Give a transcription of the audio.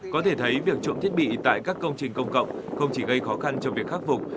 có thể thấy việc trộm thiết bị tại các công trình công cộng không chỉ gây khó khăn cho việc khắc phục